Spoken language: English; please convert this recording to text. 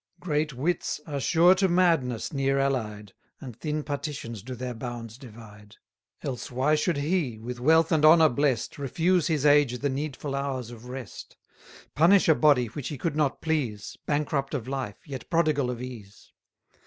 Great wits are sure to madness near allied, And thin partitions do their bounds divide; Else why should he, with wealth and honour blest, Refuse his age the needful hours of rest? Punish a body which he could not please; Bankrupt of life, yet prodigal of ease?